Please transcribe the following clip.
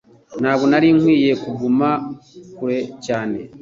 Ntabwo nari nkwiye kuguma kure cyane